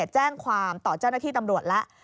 แจ้งความต่อเจ้าหน้าที่ตำรวจแล้ว